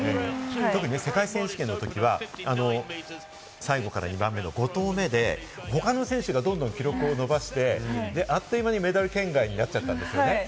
特に世界選手権のときは最後から２番目の５投目のときに他の選手がどんどん記録を伸ばして、あっという間にメダル圏内になっちゃったんですよね。